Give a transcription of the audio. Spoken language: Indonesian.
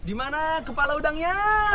di mana kepala udangnya